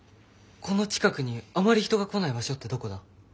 この近くにあまり人が来ない場所ってどこだ？